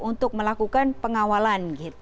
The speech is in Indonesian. untuk melakukan pengawalan gitu